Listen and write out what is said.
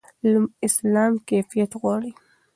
اسلام کیفیت غواړي.